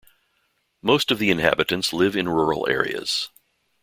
Most of the inhabitants live in rural areas.